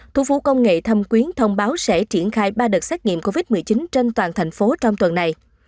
thu phủ công nghệ thâm quyến thông báo sẽ triển khai ba đợt xét nghiệm covid một mươi chín trên toàn thành phố trong tuần này